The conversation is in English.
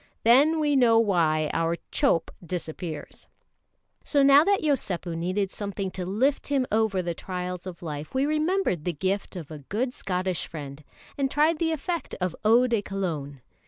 Then we know why our "chope" disappears. So now that Yosépu needed something to lift him over the trials of life, we remembered the gift of a good Scottish friend, and tried the effect of eau de Cologne.